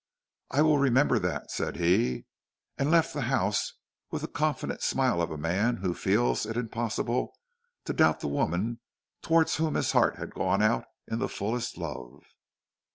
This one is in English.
"I will remember that," said he, and left the house with the confident smile of a man who feels it impossible to doubt the woman towards whom his heart has gone out in the fullest love.